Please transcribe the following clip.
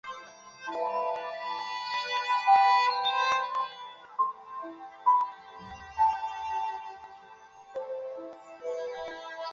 它表示了一个标准观测者在亮度比较高的环境条件下所表现出来的观测能力。